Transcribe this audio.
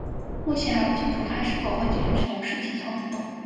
目前还不清楚她是否会继续从事体操运动。